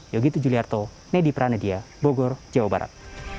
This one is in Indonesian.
yogyakarta nedy pranedia bogor jawa barat